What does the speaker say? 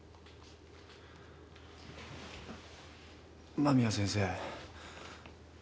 間宮先生。